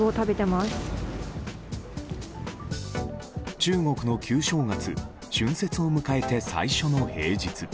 中国の旧正月・春節を迎えて最初の平日。